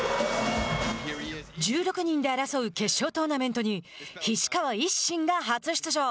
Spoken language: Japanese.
１６人で争う決勝トーナメントに菱川一心が初出場。